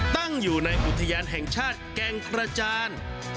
ตั้งอยู่ในอุทยานแห่งชาติแก่งกระจาน